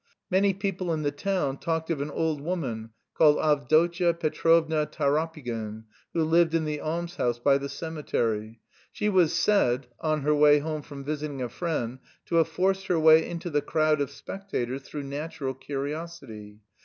Many people in the town talked of an old woman called Avdotya Petrovna Tarapygin who lived in the almshouse by the cemetery. She was said, on her way home from visiting a friend, to have forced her way into the crowd of spectators through natural curiosity.